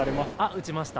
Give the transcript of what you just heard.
打ちました。